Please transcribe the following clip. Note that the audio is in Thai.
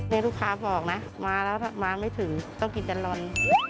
นี่ลูกค้าบอกนะมาแล้วมาไม่ถึงต้องกินดัลลอน